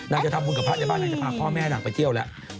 จะทำบุญกับพระในบ้านนางจะพาพ่อแม่นางไปเที่ยวแล้ว